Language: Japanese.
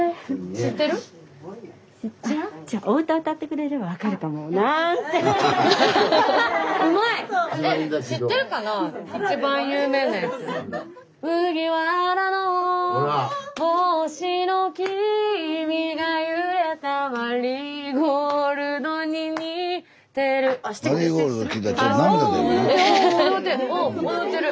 知ってる？